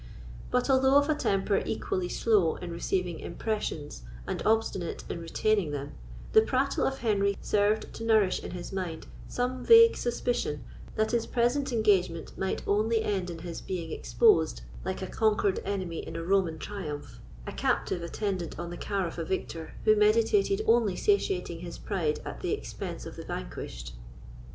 But, although of a temper equally slow in receiving impressions and obstinate in retaining them, the prattle of Henry served to nourish in his mind some vague suspicion that his present engagement might only end in his being exposed, like a conquered enemy in a Roman triumph, a captive attendant on the car of a victor who meditated only the satiating his pride at the expense of the vanquished.